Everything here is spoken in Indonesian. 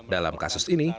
dalam kasus ini